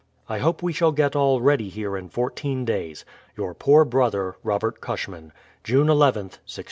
I hope we shall get all ready here in fourteen days. Your poor brother, ROBERT CUSHMAN. June lith, 1620.